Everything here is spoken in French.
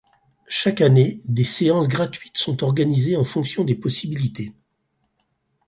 Chaque année des séances gratuites sont organisées en fonction des possibilités.